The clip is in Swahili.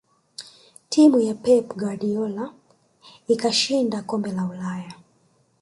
timu ya pep guardiola ikashinda kombe la ulaya